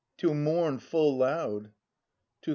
To mourn full loud. Teu.